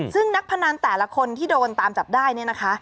ซึ่งนักพนันแต่ละคนที่โดนตามจับได้เนี่ยนะคะ